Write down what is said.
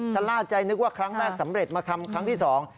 ชะล่าใจนึกว่าครั้งแรกสำเร็จมาทำครั้งที่สอง